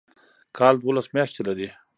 کال دوولس میاشتې لري